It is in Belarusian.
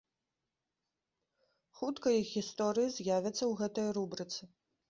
Хутка іх гісторыі з'явяцца ў гэтай рубрыцы.